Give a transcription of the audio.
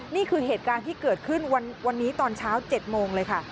นี่คือเหตุการณ์ที่เกิดขึ้นวันนี้ตอนเช้า๗โมงเลยค่ะ